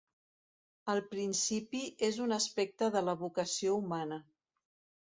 El principi és un aspecte de la vocació humana.